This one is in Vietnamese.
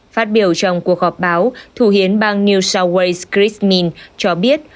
phát biểu trong cuộc họp báo thủ hiến bang new south wales chris min cho biết